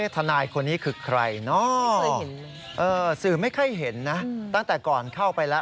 ทนายคนนี้คือใครเนาะสื่อไม่ค่อยเห็นนะตั้งแต่ก่อนเข้าไปแล้ว